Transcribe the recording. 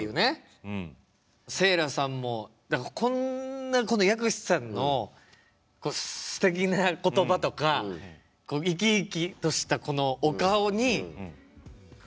せいらさんもこんなこの藥師さんのすてきな言葉とか生き生きとしたこのお顔にすごく励まされるというかね。